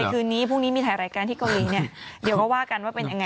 คืนนี้พรุ่งนี้มีถ่ายรายการที่เกาหลีเนี่ยเดี๋ยวก็ว่ากันว่าเป็นยังไง